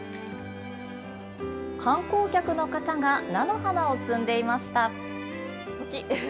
観光客の方が菜の花を摘んでいました。